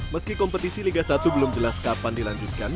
meski kompetisi liga satu belum jelas kapan dilanjutkan